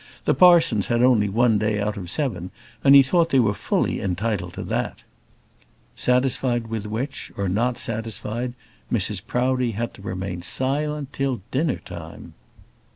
The parsons had only one day out of seven, and he thought they were fully entitled to that." Satisfied with which, or not satisfied, Mrs Proudie had to remain silent till dinner time.